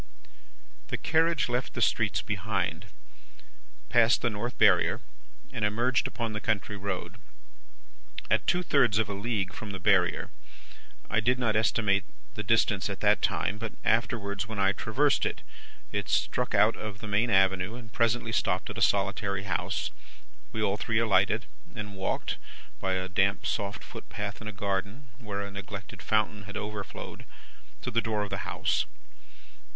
"The carriage left the streets behind, passed the North Barrier, and emerged upon the country road. At two thirds of a league from the Barrier I did not estimate the distance at that time, but afterwards when I traversed it it struck out of the main avenue, and presently stopped at a solitary house, We all three alighted, and walked, by a damp soft footpath in a garden where a neglected fountain had overflowed, to the door of the house.